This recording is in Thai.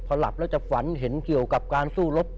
พอหลับแล้วจะฝันเห็นเกี่ยวกับการสู้รบ